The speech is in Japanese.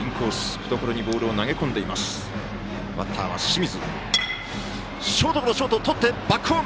懐にボールを投げ込んでいますバッターは清水。